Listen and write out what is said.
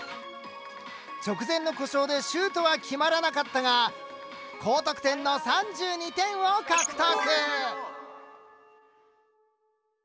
直前の故障でシュートは決まらなかったが高得点の３２点を獲得！